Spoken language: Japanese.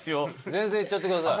全然いっちゃってください。